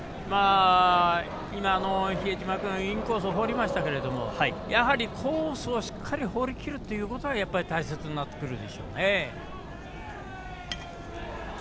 今の比江島君インコースに放りましたけどやはりコースをしっかり放りきるということが大切になってくるでしょうね。